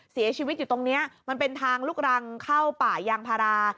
เสียชีวิตอยู่ตรงนี้มันเป็นทางลูกรังเข้าป่ายางพารา